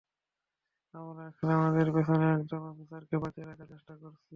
আমরা এখানে আমাদের পিছনে একজন অফিসারকে বাঁচিয়ে রাখার চেষ্টা করছি।